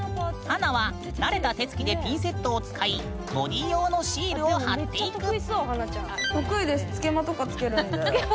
華は慣れた手つきでピンセットを使いボディー用のシールを貼っていく。